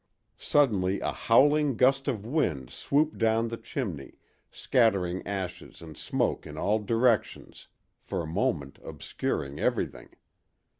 Suddenly a howling gust of wind swooped down the chimney, scattering ashes and smoke in all directions, for a moment obscuring everything.